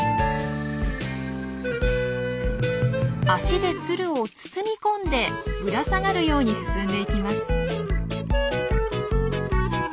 足でツルを包み込んでぶら下がるように進んでいきます。